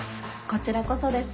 こちらこそです。